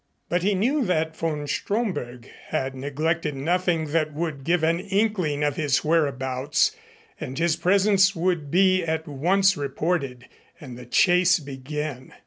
But he knew that von Stromberg had neglected nothing that would give an inkling of his whereabouts and his presence would be at once reported and the chase begin.